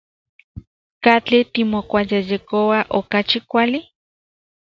¿Katli timokuayejkoua okachi kuali?